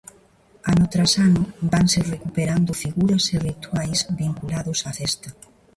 Ano tras ano vanse recuperando figuras e rituais vinculados á festa.